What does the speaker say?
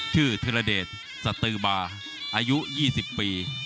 ชื่อธุระเดชสตือบาอายุ๒๐ปี